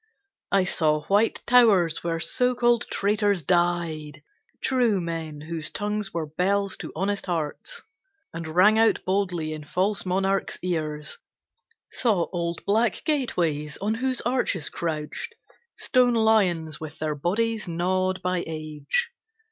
I saw white towers where so called traitors died True men whose tongues were bells to honest hearts, And rang out boldly in false monarch's ears. Saw old black gateways, on whose arches crouched Stone lions with their bodies gnawed by age.